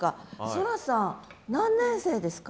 蒼空さん何年生ですか？